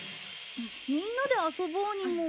みんなで遊ぼうにも。